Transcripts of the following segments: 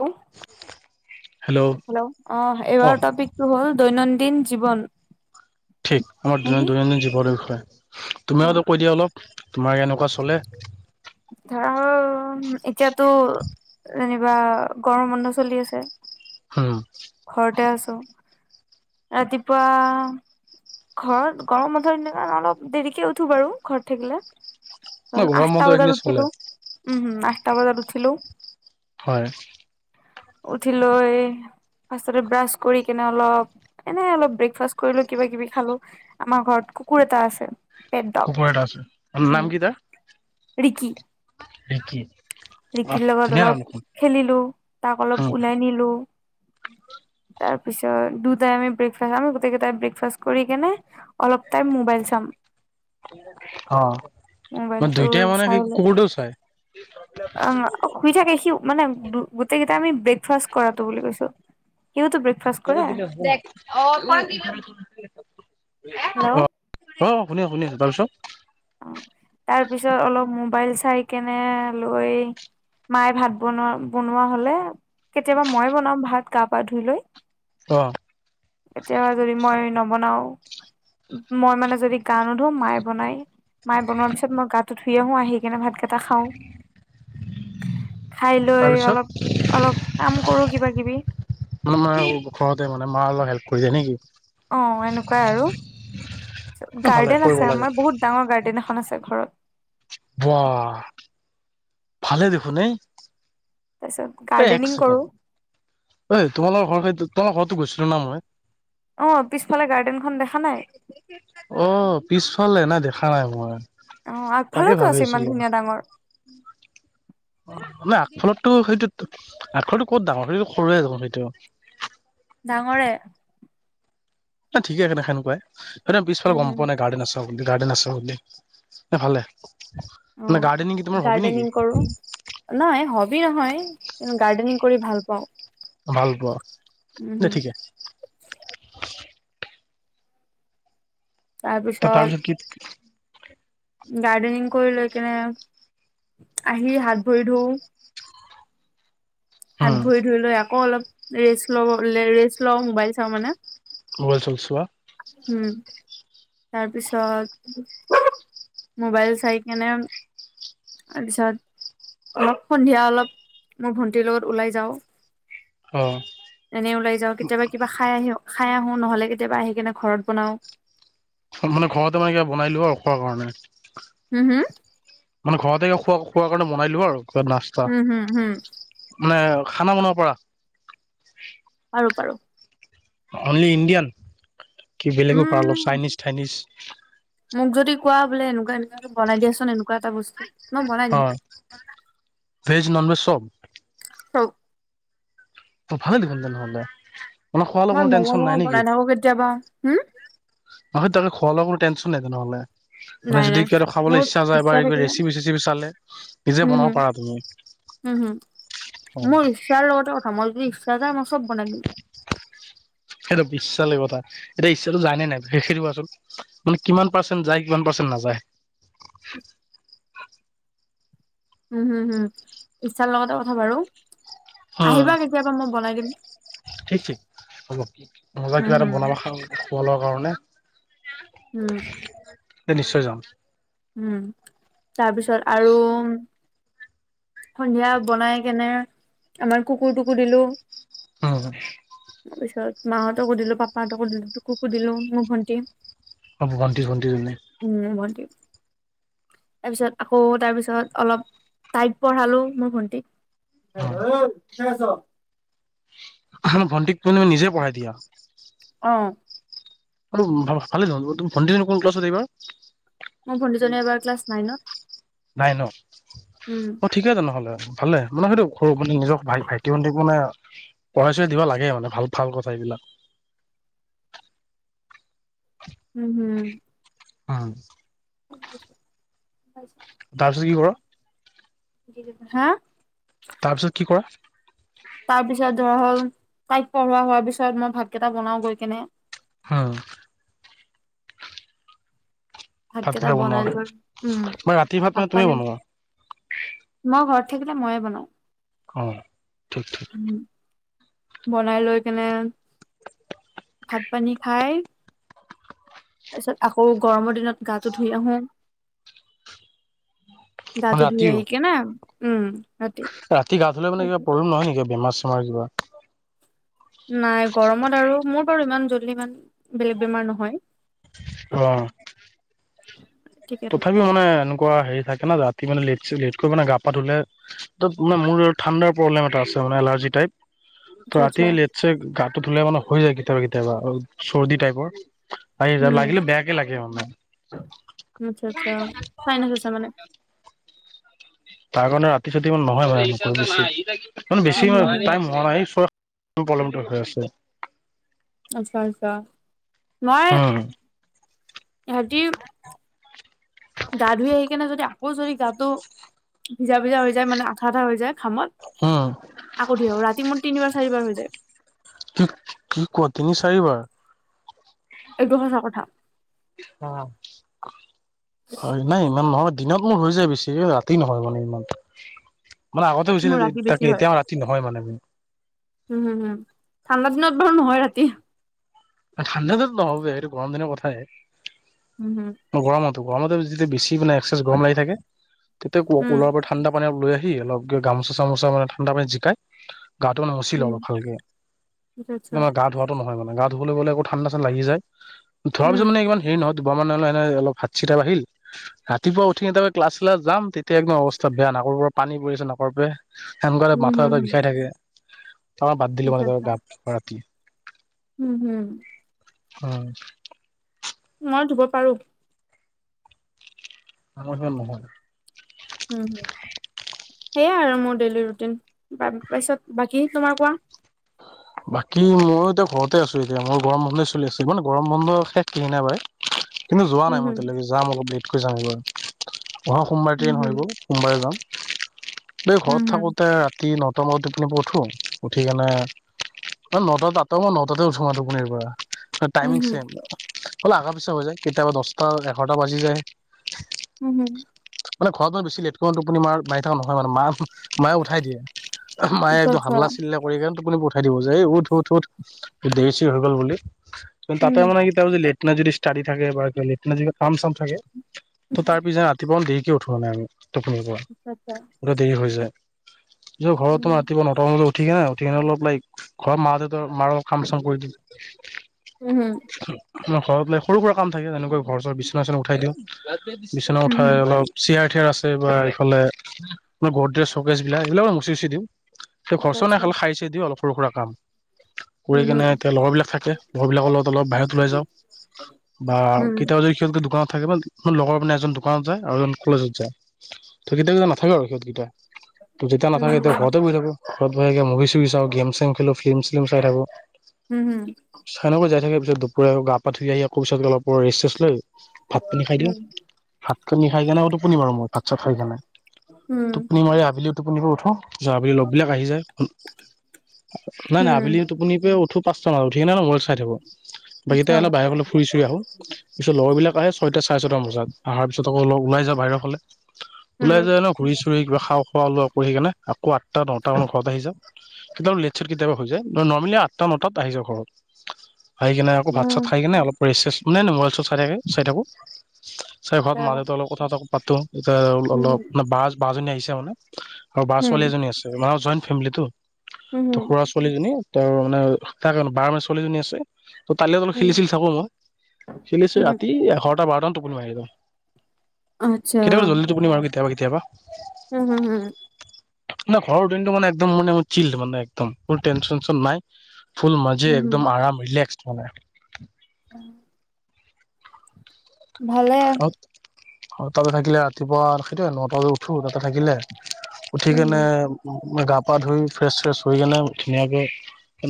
Hello. Hello, অ, এইবাৰ টপিকটো হ'ল দৈনন্দিন জীৱন। ঠিক, আমাৰ নেকি দৈনন্দিন জীৱনৰ বিষয়ে তুমিওতো কৈ দিয়া অলপ, তোমাৰ কেনেকুৱা চলে? অ, এতিয়াতো যেনিবা গৰম বন্ধ চলি আছে। হম। ঘৰতে আছোঁ। ৰাতিপুৱা হয়, ঘৰত গৰম বন্ধ দিনা কাৰণে অলপ দেৰিকে উঠো বাৰু ঘৰত থাকিলে। ন গৰম আঠটা বন্ধ বজাত এইখিনি চলে উঠিলোঁ। উম, হম, আঠটা বজাত উঠিলোঁ। হয়। উঠি লৈ ফাৰ্ষ্টততে ব্ৰাছ কৰি কেনে অলপ, এনে অলপ ব্ৰেকফাষ্ট কৰিলো কিবা- কিবি। খালো, আমাৰ ঘৰত কুকুৰ এটা আছে। পেণ্ট ড'গ কুকুৰ এটা আছে নাম উম, কি তাৰ ৰিকি ৰিকি? আহ ৰিকিৰ লগত ধুনীয়া নাম অলপ দেখোন খেলিলো, তাক উম অলপ ওলাই নিলো। তাৰপিছত দুটাই আমি, ব্ৰেকফাৰ্ষ্ট আমি গোটেই কেইটাই ব্ৰেকফাষ্ট কৰি কেনে অলপ টাইম মোবাইল চাম অ, মোবাইলটো দুইটাই মানে সেই কুকুৰটোও চাই? অ, শুই থাকে সি, মানে গোটেই কেইটা আমি ব্ৰেক ব্ৰেকফাষ্ট কৰাটো বুলি কৈছো, সিওতো ব্ৰেকফাষ্ট কৰে। অহ, হেল্ল' অ অহ, শুনিছো শুনি আছোঁ তাৰ পিছত? অ', তাৰ পিছত অলপ মোবাইল চাই কেনে লৈ মায়ে ভাত বনোৱা বনোৱা হ'লে কেতিয়াবা মই বনাওঁ ভাত গা পা ধুই লৈ। অ'। কেতিয়াবা যদি মই নবনাওঁ মই মানে যদি গা নোধো মায়ে বনাই। মায় বনোৱাৰ পিছত মই গাটো ধুই আহো আহি কেনে ভাতকেইটা খাওঁ। খাই লৈ তাৰপিছত অলপ অলপ কাম কৰোঁ কিবা কিবি। মোৰ মানে ঘৰতে বনাই মানে মাৰ অলপ হেল্প কৰি দিয়া নেকি? অ', এনেকুৱাই আৰু ভালে গাৰ্ডেন কৰিব আছে লাগে আমাৰ বহুত ডাঙৰ গাৰ্ডেন এখন আছে ঘৰত। ৱাহ, ভালে দেখোন এই। তাৰপিছত এই এক গাৰ্ডেনিং ছেকেণ্ড কৰোঁ। ঐ তোমালোকৰ ঘৰ সেইটো তোমালোকৰ ঘৰতো গৈছিলো ন' মই? অ', পিছফালে গাৰ্ডেনখন দেখা নাই? অ', পিছফালে নাই দেখা নাই মই। অ', তাকে আগফালেওটো ভাবি আছে ইমান আছিলো ধুনীয়া ডাঙৰ। মানে আগফালতটো সেইটো আগফালটো ক'ত ডাঙৰ হয়টো সৰুৱে যাব সেইটো। ডাঙৰে। ঠিকে কেনে সেনেকুৱাই পিছফালে উম গম হম পোৱা নাই গাৰ্ডেনখন আছে। [unintelligible] গাৰ্ডেন আছে বুলি অ ভালে গাৰ্ডেনিং তোমাৰ হবি নেকি? গাৰ্ডেনিং কৰো নাই হবি নহয়, কিন্তু গাৰ্ডেনিং কৰি ভাল পাওঁ। অ', ভাল পোৱা, উম নাই হম ঠিকে। তাৰপিছত কিত গাৰ্ডেনিং কৰি লৈ কিনে আহি হাত ভৰি ধো। হাত উম ভৰি ধুই লৈ আকৌ অলপ ৰেষ্ট লব ৰেষ্ট লওঁ মোবাইল চাওঁ মানে। মোবাইল চোবাই চোৱা। হম, তাৰপিছত মোবাইল চাই কেনে তাৰপিছত অলপ সন্ধিয়া অলপ মোৰ ভন্টিৰ লগত ওলাই যাওঁ। অ', এনে ওলাই যাওঁ কেতিয়াবা কিবা খাই আহি খাই আহো নহ'লে কেতিয়াবা আহি কেনে ঘৰত বনাওঁ। মানে ঘৰতে মানে কিবা বনাই লোৱা আৰু খোৱাৰ কাৰণে। হম, হম। মানে ঘৰতে খোৱা-খোৱা কাৰণে বনাই আৰু নাচ হুম, হুম, হুম। মানে খানা বনাব পৰা? পাৰোঁ, পাৰোঁ। অনলি ইণ্ডিয়ান কি বেলেগো পাৰা অলপ উম চাইনিজ থাইনিজ? মোক যদি কোৱা বোলে এনেকুৱা এনেকুৱাটো বনাই দিয়াচোন এনেকুৱা এটা বস্ হয়, ভেজ ন'ন ভেজ চব। চব। ভালে দেখোন তেনেহ'লে মানে খোৱালৈ মই কোনো ম'ম' টেনচন নাই চম' বনাই নেকি? থাকো কেতিয়াবা হুম নহয় তাকে খোৱা লোৱাবোল টেনচন ন নাই তেনেহ'লে। মানে নাই যদি নাই কিবাটো খাবলৈ মোৰ ইচ্ছা যায় বা এনেকৈ থাকিলে ৰেচিপি - চেচিপি চালে নিজে হুম বনাব হুম পাৰা তুমি। হুম, হুম। অ। তাৰ লগতে কথা, মই যদি ইচ্ছা যায় মই চব বনাই দিম। সেইটো বিশ্বালে কথা, এতিয়া ইচ্ছাটো যায় নে নাই সেইটো কোৱাচোন? মানে কিমান পাৰ্চেণ্ট যায় কিমান পাৰ্চেণ্ট নাযায়? উম, হুম, হুম ইচ্ছাৰ লগতে কথা বাৰু, উম, আহিবা কেতিয়াবা মই বনাই দিম। ঠিক ঠিক, হব মজা হম কিবা এটা হম বনাবা খাওঁ খোৱা - লোৱাৰ কাৰণে, উম এ নিশ্চয় যাম। উম, তাৰ পিছত আৰু সন্ধিয়া বনাই কেনে, আমাৰ কুকুৰটোকো দিলো। উম হু। তাৰ পিছত মাহঁতকো দিলো, পাপাহঁতক দিলো [unintelligible] দিলো, মোৰ ভণ্টি অ, ভণ্টি ভন্টিজনি। উম ভন্টি। তাৰপিছত আকৌ তাৰপিছত অলপ টাইট পঢ়ালো মোৰ ভন্টি। [unintelligible] দে আছ [unintelligible] ভণ্টিক তুমি মানে নিজে পঢ়াই দিয়া? অঁ। অতো ভাল ভালে দেখোন, ত তো ভন্টিজনী কোন ক্লাছত এইবাৰ? মোৰ ভণ্টীজনী এবাৰ ক্লাছ নাইনত। নাইনত উম অত ঠিকেতো নহ'লে, ভালে মানে সেইটো সৰু মানে নিজৰ ভাই ভাইটি ভণ্টিক মানে পঢ়াই চোৱাই দিব লাগে মানে ভাল ভাল কথা এইবিলাক। উম, হুম। উম। [unintelligible] তাৰপিছত কি কৰ হা? তাৰপিছত কি কৰা? তাৰ পিছত ধৰা হ'ল তাইক পঢ়োৱা হোৱাৰ পিছত মই ভাতকেইটা বনাও গৈ কেনে। হুম। ভাতকেইটা বনাই লৈ উম, মানে ৰাতি ভাত মানে তুমি পানী বনোৱা মই ঘৰত থাকিলে ময়ে বনাওঁ। অ, ঠিক-ঠিক। উম, বনাই লৈ কেনে, ভাত পানী খাই তাৰ পিছত আকৌ গৰমৰ দিনত গাটো ধুই আহো মানে গাটো ধুই ৰাতিও আহি কে না উম। ৰাতি ৰাতি গা ধুলে মানে কিবা প্ৰব্লেম নহয় নেকি বেমাৰ - চেমাৰ কিবা? নাই গৰমত আৰু মোৰ বাৰু ইমান জলদি ইমান বেলেগ বেমাৰ নহয়। অ। [inaudible] থাকো তথাপিও মানে এনেকুৱা হেৰি থাকে না ৰাতি মানে লেট চে লেট কৰি মানে গা পা ধুলে ত মানে মোৰ ঠাণ্ডাৰ প্ৰব্লেম এটা আছে মানে এলাৰ্জি টাইপ আচ্ছা ত আচ্ছা ৰাতি লে চেক গাটো ধুলে মানে হৈ যায় কেতিয়াবা-কেতিয়াবা অলপ চৰ্দি টাইপৰ। আহি যা উম লাগিলে বেয়াকে লাগে মানে- আচ্ছা আচ্ছা চাইনিজ আছে মানে। তাৰ কাৰণে ৰাতি চাতি ই নহয় মানে উম বেছি ই হম বেছি হম টাইম হোৱা নাই চোৱা। উপলব্ধ হৈ আছে। আচ্ছা আচ্ছা মই উম ইহতি- গা ধুই আহি কেনে যদি আকৌ যদি গাটো সিজা ভিজা হৈ যায় মানে আঠা আঠা হৈ যায় ঘামত। উম আকৌ ধুই আহো ৰাতি মোৰ তিনিবাৰ চাৰিবাৰ হৈ যায়। কি কি কোৱা তিনি চাৰিবাৰ। এইটো সঁচা কথা। অঁ হয়। নাই ইমান নহয় দিনত মোৰ হৈ যায় বেছি ৰাতি নহয় মানে ইমান। মানে আগতে হৈছিলে মোৰ যে ৰাতি বেছি তাকে এতিয়া ৰাতি নহয় মানে মোৰ। হুম হুম ঠাণ্ডা দিনত বাৰু নহয় ৰাতি। ঠাণ্ডাতো নহ'ব এইটো গৰম দিনৰ কথাহে। উহো - গৰমতো গৰমতে যেয়া বেছি মানে একচেচ গৰম লাগী থাকে তেতিয়া উম কোলা প্ৰথা। ঠাণ্ডা পানী লৈ আহি অলপ গামোচা চামোচানে ঠাণ্ডা পানী জিকাই- গাটো মানে মুচিল উম অলপ ভালকে আচ্ছা কিন্তু আচ্ছা মানে গা ধোৱাতটো নহয় মানে গাত- ধুবলৈ গলে আকৌ ঠাণ্ডা চাণ্ডা লাগি যায় ধোৱাৰ পিছত উম মানে ইমান- এই নহয় দুবাৰ মান হ'লে এেনে অলপ হাত চিটা বা়হিল। ৰাতিপুৱা উঠি এতিয়া ক্লাছ ছাল্ল যাম তেতিয়া একদম অৱস্থা বেয়া নকৰৰ পৰা পানী পৰিছে নাকৰ পৰাই। সেনেকালে উম মাথা হম এটা হম বিষাই থাকে তাৰ পৰা বাদ দিলো মানে ত গা ধোৱা ৰাতি। উমঁ হুম। হয়ঁ। মই ধুব পাৰোঁ। আমনিচিনা নহয়। উমঁ উমঁ সেইয়াই আৰু মোৰ ডেইলি ৰুটিন বা পাছত বাকী তোমাৰ কোৱা? বাকী মইও এতিয়া ঘৰতে আছো এতিয়া মই গৰম বন্ধই চলি আছো মানে গৰম বন্ধ শেষ কি নাই বাই। কিন্তু যোৱা উম নাই মই হম এতিয়ালৈকে যাম অলপ দেৰিকৈ যাম এই বাৰু অহা সোমবাৰে উম ট্ৰেইন হৈ হম গ'ল। সোমবাৰে যাম এই উম ঘৰত হম থাকোতে ৰাতি ন। অঁ মই টোপি পৰা উঠো উঠি কেনে- এ নটাত আঠটা নটাতে উঠো তুপনীৰ পৰা টাইম উম হম চেম হ'লে আগা পিছা হৈ যায় কেতিয়াবা দহটা এঘাৰটা বাজি যায়। উমঁ হুম। আগফালে ভয় কৰে লেটিন টোপনি মাৰ মাৰি থকা নহয় মানে মা- মায়ে উঠাই দিয়ে মায়ে আচ্ছা একদম আচ্ছা হাল্লা চিল্লা কৰি কিনে তপুনি উঠাই দিব যে এই উঠ উঠ উঠ। দেছী চেৰি হৈ গ'ল বুলি কিন্তু তাতে উম মানে কি- লেটিনা যদি ষ্টাডি থাকে বা লেটনা যদি কাম চাম থাকে ত' তাৰ পিছ ৰাতিপুৱা দে- কি উঠো নায় আমি তুপনী পৰা। আচ্ছা। গোই দেৰি হৈ যায় য ঘৰত তোমাৰ ৰাতিপুৱা নটা বজাত উঠি কিনে উঠি কিনে অলপ ওলাইক ঘৰত মা দেউত মাৰ কাম চাম কৰি দি- উমঁ হুম। আৰ ঘৰত পাই সৰু সুৰা কাম থাকে যেনেকৈ ঘৰ বিছনাচনা উঠাই দিওঁ। বিচনা উম উঠাই হম অলপ- চয়াৰ থঠিয়াৰ আছে, বা এইফালে গদে চকেছ বিলাক এইবিলাকো মচি গচি দিম। ঘৰ আচ্ছা নাই আচ্ছা খাল খাইছে দিও অলপ সৰু সুৰা কাম উম কৰি হম কেনে এতিয়া লগৰবলাক থাকে, লগৰ বিলাকৰ লগত অলপ বাহিৰত ওলাই যাওঁ বা উম কেতিয়াবও যদি দোকানত থাকে। ম লগৰ মানে এজন দোকানত যায় আৰু এজন কলেজত যায়। ত', কিত কেইটা নাথাকে আৰু সিহঁতকেইটা ত, যেয়া উম নাথাকে। তেতিয়া হম ঘৰতে বহ থাকো ঘৰতহৈ থাকে মুভি চুভি চাওঁ গেম চেম খেলো ফিল্ম চিলম চাই থাকো। হম', হুম, চাইনেকৈ যাই থাকে। পিছ দুপৰ গা ধৰি আহ আকৌ পিছত অলপ ৰেষ্ট ৰেষ্ট লৈ ভাত পিনী খাই দিওঁ। হুম, ভাত পিনি খাই কেনে তোপনি বাৰু মই ভাত চাত খাই কি নাই। টোপনি মাৰি আবেলি টোপনি কৰি উঠো য, আবেলি লগবিলাক আহি যায়। নাই। নাই। আবেলি হুম, টোপনি প উঠো পচ ট মান উঠি ন ম চাই থাকো বাকী এতিয়া বাহ ফুৰি আহো পিছত লগৰ বিলাক আহে ছয়টা চাৰে ছয়টাম বজাত আহাৰ পিছত আকৌ ওলাই যায়। বাহিৰৰ ফালে ওলাই যায় ন, ঘূৰি চুৰি কিবা খা খোৱা ওলোৱা কৰি সেইকাৰনে আকৌ আঠটা নটা মানৰ ঘৰত আহি যাওঁ। কেতিয়াবা লেট চট কেতিয়াবা হৈ যায়। নৰ্মেলি আঠটা নটাত আহি যাওঁ ঘৰত। ভাই কিনে আকৌ ভাত চাত খাই কিনে অলপ ৰেচেছ মানে নোবাইল চত চাই থাকে চাই থাকো। চাই ঘৰত মা দেউতা অলপ কথা পাতো এতিয়া অলপ মানে বাজ বা জনী আহিছে মানে, আৰু বা ছোৱালী এজনী আছে, মান জইণ্ট ফেমিলিটো ত', খুৰা ছোৱালীজনী ত মানে ত বাৰ্ম ছোৱালীজনী আছে। ত', তালৈ অলপ খেলিছিল চাকো মই খেলিছো উম, ৰাতি এঘাৰটা বাৰটামান টোপি মাৰিলোঁ। কেতিয়াবা জল্দি টো কুনিম আৰু কেতিয়াবা কেতিয়াবা উম', হু, হু, মে ঘৰৰ দিনটো মানে একদম মানেিল মানে একদম কোনো টেনচন নশচন নাই। ফুল মাজে হুম, একদম আৰাম ৰিলেস মানে ভালে, তাতে থাকিলে। ৰাতিপুৱা সেইটো নটা বজাত উঠো তাতে থাকিলে। উঠি কেনে উম, গা পা ধুই ফ্ৰেচ ফ্ৰেছ হয় কেনে ধুনীয়াকে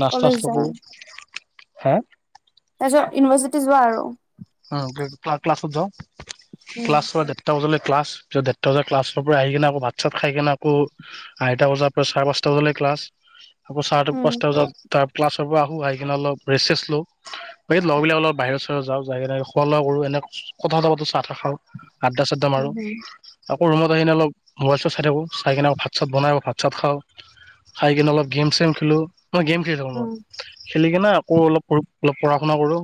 নচতা কলেজ আষ্ট্ত কৰো। যায়। হে তাৰ পিছত ইউনিভাৰ্চিটি যোৱা আৰু অ', ক্লাছত যাওঁ উম, ক্লাছ চ এটা বজালৈ ক্লাছ পছ ডৰটা বজাৰ ক্লাছৰ পৰা আহি কিনেকৌ ভাত চাত খাই কিনে আকৌ আঢটা বজাৰ পৰা চাৰ পাঁচটা বজালৈ ক্লাছ আকৌ ছাৰটোক উম, পাঁচটা বজাত তাৰ ক্লাছৰ পৰা আহোঁ আহি কিনে অলপ ৰেছেছ লওঁ বে লগবিলাক অলপ বাহিৰ ওচৰত যাওঁ। জাগেনে খলোৱা কৰো। এনে কথা পাতো চাহ খাওঁ আদ্দা চাদ্দা উম, মাৰো। উম, আকৌ ৰুম আহিে অল মোবাইল চত চাই থাকো চাই কিনে আকৌ ভাত চাত বনাই ভাত চাত খাওঁ। খাই কিনে অলপ গেম চেম খেলো। মই গেম খেলি থাকো। মই উম। খেলি কিনে আকৌ অলপ অলপ পঢ়া শুনা কৰো।